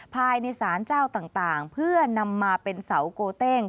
ภายในสารเจ้าต่างเพื่อนำมาเป็นเสาโกเต้ง